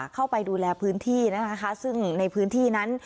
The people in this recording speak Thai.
เข้าไปดูแลพื้นที่นะคะซึ่งในพื้นที่นั้น